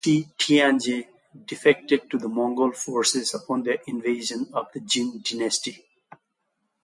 Shi Tianze defected to the Mongol forces upon their invasion of the Jin dynasty.